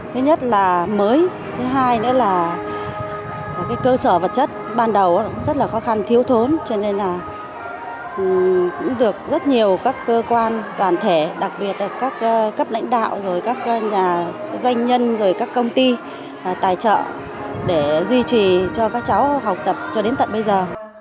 thứ nhất là mới thứ hai nữa là cơ sở vật chất ban đầu rất là khó khăn thiếu thốn cho nên là cũng được rất nhiều các cơ quan đoàn thể đặc biệt là các cấp lãnh đạo rồi các nhà doanh nhân rồi các công ty tài trợ để duy trì cho các cháu học tập cho đến tận bây giờ